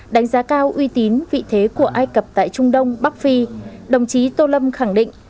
đánh giá cao uy tín vị thế của ai cập tại trung đông bắc phi đồng chí tô lâm khẳng định